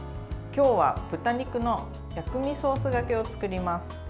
今日は、豚肉の薬味ソースがけを作ります。